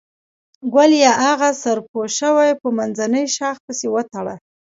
ګوليه اغه سر پوشوې په منځني شاخ پسې وتړه.